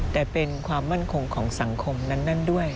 แต่เป็นความมั่นคงของสังคมนั้นด้วย